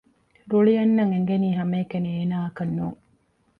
ރުޅިއަންނަން އެނގެނީ ހަމައެކަނި އޭނާއަކަށް ނޫން